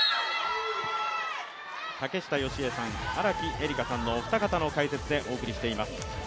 竹下佳江さん、荒木絵里香さんのお二方の解説でお送りしています。